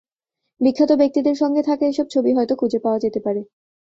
বিখ্যাত ব্যক্তিদের সঙ্গে থাকা এসব ছবি হয়তো খুঁজে পাওয়া যেতে পারে।